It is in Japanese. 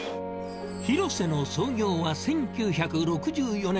ヒロセの創業は１９６４年。